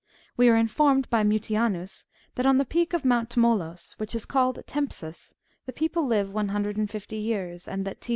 We are informed by Mutianus, that, on the peak of Mount Tmolus, which is called Tempsis, the people live one hundred and fifty years, and that T.